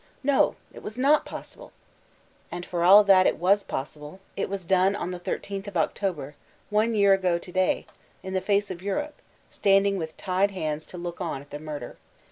No : it was not possible !— ^And, for all that, it was pos sible ; it was done, on the 13th of October, one year ago to day, in the face of Europe, standing with tied hands to look on at the murder.